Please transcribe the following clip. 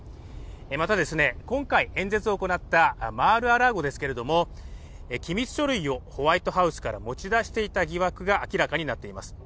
また、今回演説を行ったマール・ア・ラーゴですけども機密書類をホワイトハウスから持ち出していた疑惑が明らかになっています。